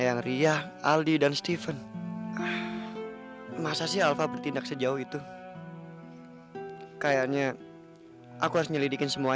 yang ria aldi dan steven masa sih alva bertindak sejauh itu kayaknya aku harus nyelidikin semua